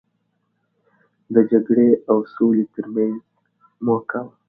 د جګړې او سولې ترمنځ موکه وه.